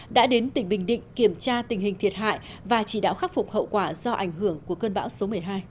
đã đến tỉnh bình định kiểm tra tình hình thiệt hại và chỉ đạo khắc phục hậu quả do ảnh hưởng của cơn bão số một mươi hai